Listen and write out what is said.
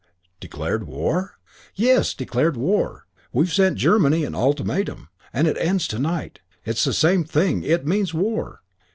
"Declared war?" "Yes, declared war. We've sent Germany an ultimatum. It ends to night. It's the same thing. It means war."